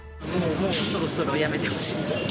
もうそろそろやめてほしいですね。